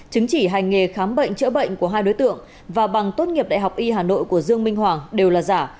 chứng chỉ hành nghề khám bệnh chữa bệnh của hai đối tượng và bằng tốt nghiệp đại học y hà nội của dương minh hoàng đều là giả